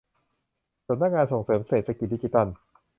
สำนักงานส่งเสริมเศรษฐกิจดิจิทัล